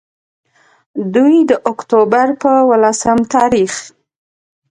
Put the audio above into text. دوي د اکتوبر پۀ ولسم تاريخ